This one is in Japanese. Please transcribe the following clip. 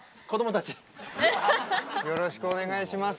よろしくお願いします。